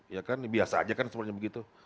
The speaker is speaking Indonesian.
ya kan biasa aja kan semuanya begitu